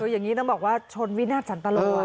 อย่างนี้ต้องบอกว่าชนวินาศสันตลอด